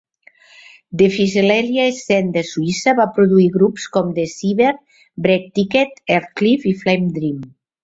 The psychedelia Scene de Suïssa va produir grups com The Shiver, Brainticket, Ertlif i Flame Dream.